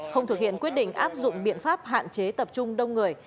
không thực hiện quyết định áp dụng biện pháp hạn chế tập trung đông người